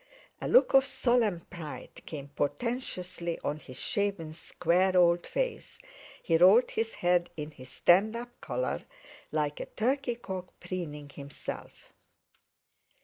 A look of solemn pride came portentously on his shaven square old face, he rolled his head in his stand up collar, like a turkey cock preening himself.